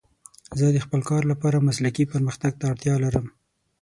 زه د خپل کار لپاره مسلکي پرمختګ ته اړتیا لرم.